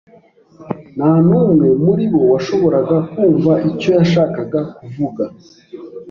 Nta n'umwe muri bo washoboraga kumva icyo yashakaga kuvuga.